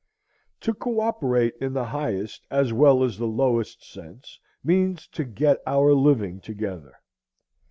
To coöperate, in the highest as well as the lowest sense, means to get our living together.